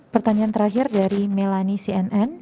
pertanyaan terakhir dari melani cnn